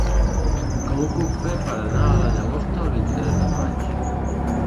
Com ho puc fer per anar a la Llagosta el vint-i-tres de maig?